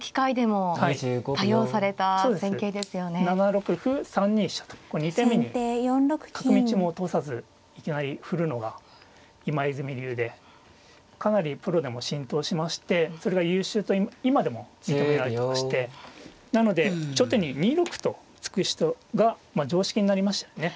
７六歩３二飛車とこう２手目に角道も通さずいきなり振るのが今泉流でかなりプロでも浸透しましてそれが優秀と今でも認められてましてなので初手に２六歩と突く人がまあ常識になりましたよね。